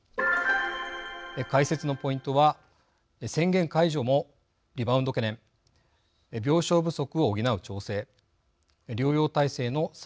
解説のポイントは「宣言解除もリバウンド懸念」「病床不足を補う“調整”」「療養体制の再構築を」の３つです。